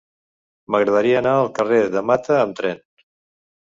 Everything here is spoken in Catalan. M'agradaria anar al carrer de Mata amb tren.